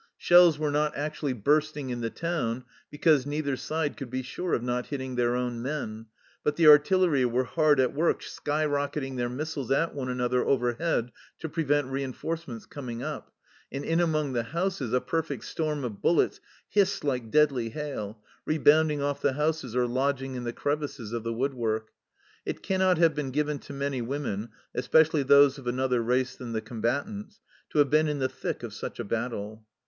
Shells were not actually bursting in the town, because neither side could be sure of not hitting their own men, but the artillery were hard at work sky rocketing their missiles at one another overhead to prevent reinforcements coming up, and in among the houses a perfect storm of bullets hissed like deadly hail, rebounding off the houses or lodging in the crevices of the woodwork. It cannot have been given to many women, especially those of another race than the combatants, to have been in the thick of such a battle.